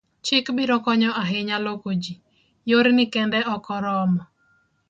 chik biro konyo ahinya loko ji, yorni kende ok oromo